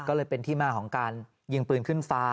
ก็เลยเป็นที่มาของการยิงปืนขึ้นฟ้า